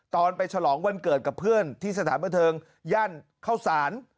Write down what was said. ตอนไปฉลองวันเกิดกับเพื่อนที่สถานบันเทิงย่านเข้าสาร